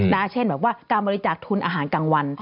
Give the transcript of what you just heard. เช่นแบบว่าการบริจาคทุนอาหารกลางวัน